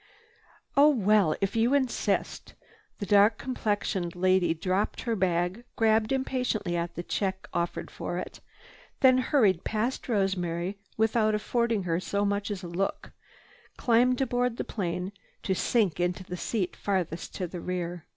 "Oh well, if you insist!" The dark complexioned lady dropped her bag, grabbed impatiently at the check offered for it, then hurrying past Rosemary without affording her so much as a look, climbed aboard the plane to sink into the seat farthest to the rear.